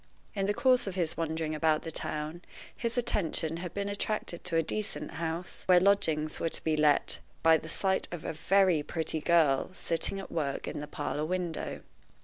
In the course of his wandering about the town, his attention had been attracted to a decent house, where lodgings were to be let, by the sight of a very pretty girl sitting at work at the parlor window.